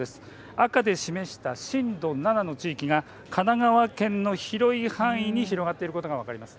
赤で示した震度７の地域が神奈川県の広い範囲に広がっていることが分かります。